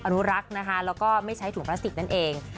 อนุรักษ์นะคะแล้วก็ไม่ใช้ถุงพลาสติกนั่นเอง